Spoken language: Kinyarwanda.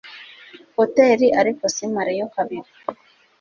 hotel ariko simare yo kabiri